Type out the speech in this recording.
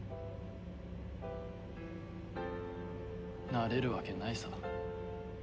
なれるわけないさ。